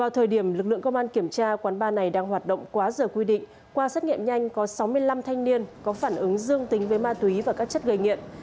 sáu mươi năm thanh niên có phản ứng dương tính với ma túy và các chất gây nghiện